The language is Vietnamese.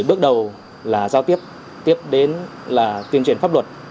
bước đầu là giao tiếp tiếp đến là tuyên truyền pháp luật